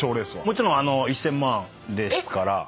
もちろん１，０００万ですから。